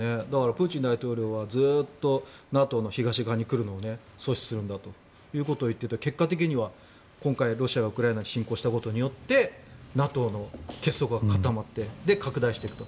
プーチン大統領はずっとＮＡＴＯが東側に来るのを阻止するんだということを言っていて結果的には今回、ロシアがウクライナに侵攻したことによってＮＡＴＯの結束は固まってで、拡大していくと。